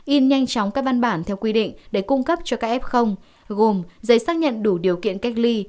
in nhanh chóng các văn bản theo quy định để cung cấp cho các f gồm giấy xác nhận đủ điều kiện cách ly